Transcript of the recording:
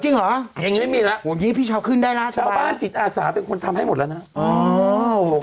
จริงเหรออย่างนี้ไม่มีแล้วชาวบ้านจิตอาสาเป็นคนทำให้หมดแล้วนะ